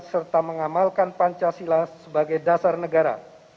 serta mengamalkan pancasila sebagai dasar negara